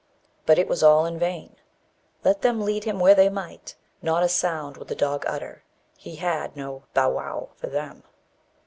But it was all in vain; let them lead him where they might, not a sound would the dog utter: he had no "bow wow" for them.